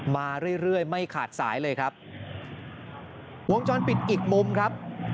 มาเรื่อยเรื่อยไม่ขาดสายเลยครับวงจรปิดอีกมุมครับ